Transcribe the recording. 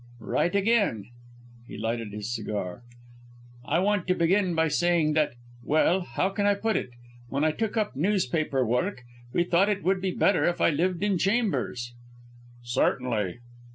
"Right again." He lighted his cigar. "I want to begin by saying that well, how can I put it? When I took up newspaper work, we thought it would be better if I lived in chambers " "Certainly."